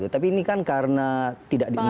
tapi ini kan karena tidak dimiliki